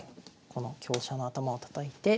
この香車の頭をたたいて。